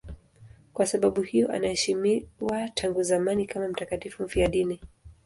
Kwa sababu hiyo anaheshimiwa tangu zamani kama mtakatifu mfiadini.